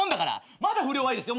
まだ不良はいいですよ。